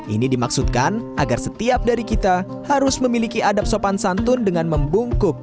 ini dimaksudkan agar setiap dari kita harus memiliki adab sopan santun dengan membungkuk